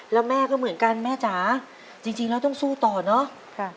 แล้วแม่ก็เหมือนกันแม่จ๋าจริงแล้วต้องสู้ต่อเนอะ